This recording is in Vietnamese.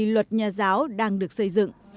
luật nhà giáo đang được xây dựng